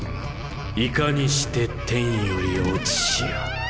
いかにして天よりおちしや。